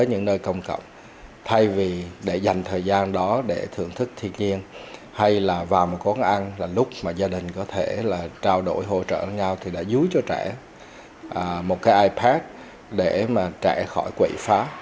nơi công cộng thay vì để dành thời gian đó để thưởng thức thiên nhiên hay là vào một cuốn ăn là lúc mà gia đình có thể là trao đổi hỗ trợ nhau thì đã dúi cho trẻ một cái ipad để mà trẻ khỏi quỷ phá